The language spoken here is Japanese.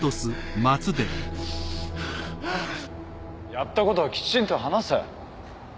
やったことはきちんと話せ。